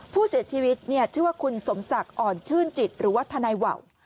ผู้เสียชีวิตชื่อว่าคุณสมศักดิ์อ่อนชื่นจิตหรือว่าทนายว่าว